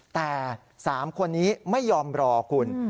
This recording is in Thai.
แต่๓คนนี้ไม่ยอมรอคุณ